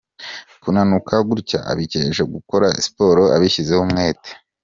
Kunanuka gutya abikesha gukora siporo abishyizeho umwete.